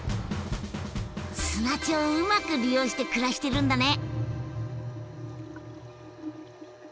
砂地をうまく利用して暮らしてるんだね！